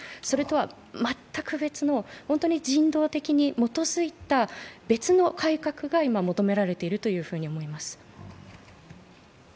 それとは全く別の、本当に人道に基づいた別の改革が今、求められているというふうに思います。